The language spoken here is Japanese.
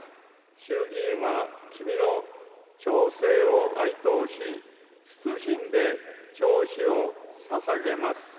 衆議院は君の長逝を哀悼し、謹んで弔詞をささげます。